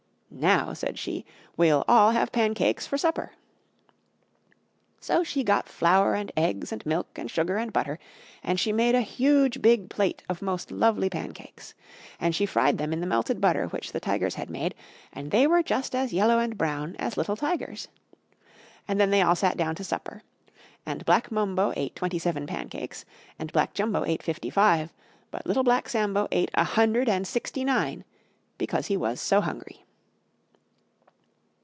"Now," said she, "we'll all have pancakes for supper!" So she got flour and eggs and milk and sugar and butter, and she made a huge big plate of most lovely pancakes. And she fried them in the melted butter which the Tigers had made, and they were just as yellow and brown as little Tigers. And then they all sat down to supper. And Black Mumbo ate Twenty seven pancakes, and Black Jumbo ate Fifty five, but Little Black Sambo ate a Hundred and Sixty nine, because he was so hungry.